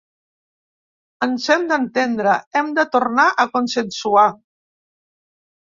Ens hem d’entendre, hem de tornar a consensuar.